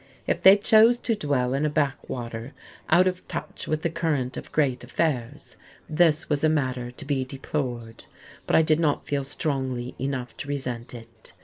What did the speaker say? If they chose to dwell in a backwater out of touch with the current of great affairs, this was a matter to be deplored, but I did not feel strongly enough to resent it.